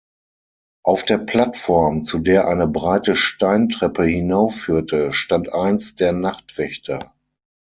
Auf der Plattform, zu der eine breite Steintreppe hinaufführte, stand einst der Nachtwächter.